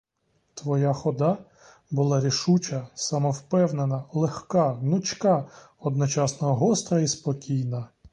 Твоя хода була рішуча, самовпевнена, легка, гнучка, одночасно гостра й спокійна.